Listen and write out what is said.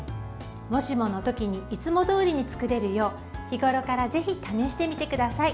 もしもの時にいつもどおりに作れるよう日ごろからぜひ試してみてください。